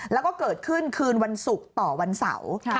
แล้วก็เกิดขึ้นคืนวันศุกร์ต่อวันเสาร์